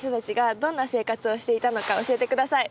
どんな生活をしていたのか教えてください。